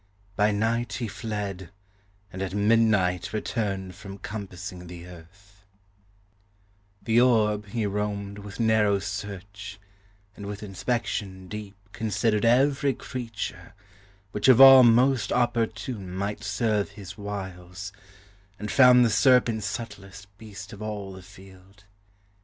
By night he fled, and at midnight returned From compassing the Earth; The orb he roamed With narrow search; and with inspection deep Considered every creature, which of all Most opportune might serve his wiles; and found The serpent subtlest beast of all the field.